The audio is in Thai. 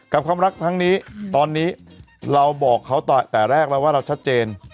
ความรักครั้งนี้ตอนนี้เราบอกเขาแต่แรกแล้วว่าเราชัดเจน